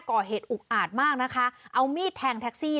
ก่อเหตุอุกอาจมากนะคะเอามีดแทงแท็กซี่